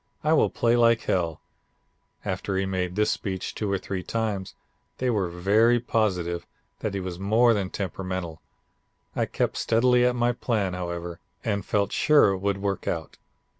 I will play like hell.' After he had made this speech two or three times, they were very positive that he was more than temperamental. I kept steadily at my plan, however, and felt sure it would work out.